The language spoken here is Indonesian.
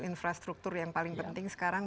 infrastruktur yang paling penting sekarang